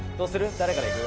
誰からいく？」